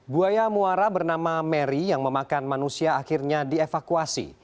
buaya muara bernama mary yang memakan manusia akhirnya dievakuasi